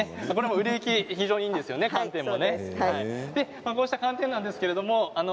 売れ行きは非常にいいんですよね。